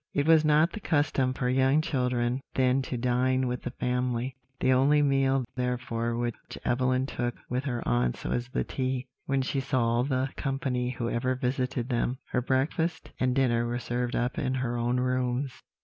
It was not the custom for young children then to dine with the family; the only meal, therefore, which Evelyn took with her aunts was the tea, when she saw all the company who ever visited them; her breakfast and dinner were served up in her own rooms.